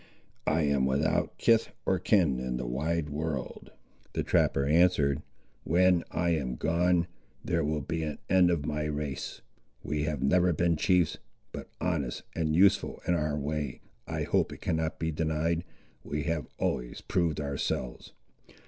"I am without kith or kin in the wide world!" the trapper answered: "when I am gone, there will be an end of my race. We have never been chiefs; but honest and useful in our way, I hope it cannot be denied, we have always proved ourselves.